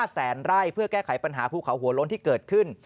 แสนไร่เพื่อแก้ไขปัญหาภูเขาหัวโล้นที่เกิดขึ้น